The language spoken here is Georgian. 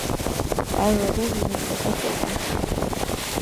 პარალელურად ის მუსიკასაც წერდა.